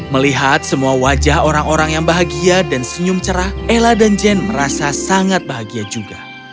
melihat semua wajah orang orang yang bahagia dan senyum cerah ella dan jane merasa sangat bahagia juga